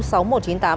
chiều ngược lại